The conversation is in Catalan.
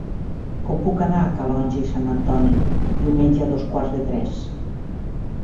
Com puc anar a Calonge i Sant Antoni diumenge a dos quarts de tres?